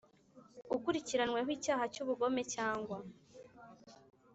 Ukurikiranyweho icyaha cy ubugome cyangwa